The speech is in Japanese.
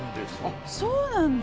あっそうなんだ。